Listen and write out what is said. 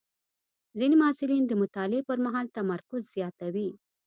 ځینې محصلین د مطالعې پر مهال تمرکز زیاتوي.